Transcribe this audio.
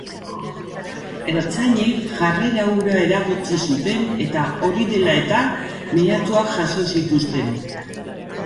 Ertzainek jarrera hura eragotzi zuten, eta hori dela eta mehatxuak jaso zituzten.